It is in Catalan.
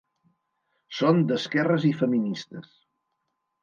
Són d'esquerres i feministes.